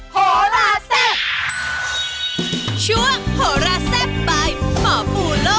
โหระแซ่บ